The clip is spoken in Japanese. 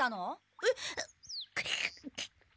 えっ？